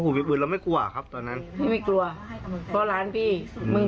ถ้ามึงจะทะเลาะไปทะเลาะที่อื่นอย่ามาทะเลาะที่กู